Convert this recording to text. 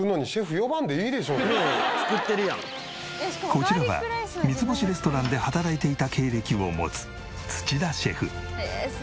こちらは三つ星レストランで働いていた経歴を持つ土田シェフ。